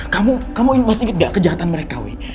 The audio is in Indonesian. kamu kamu masih inget gak kejahatan mereka wih